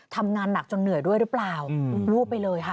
ทำงานหนักจนเหนื่อยด้วยหรือเปล่าวูบไปเลยค่ะ